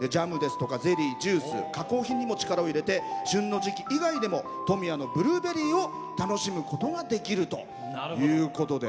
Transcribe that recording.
ゼリー、ジュース加工品にも力を入れて旬の時期以外でも富谷のブルーベリーを楽しむことができるということで。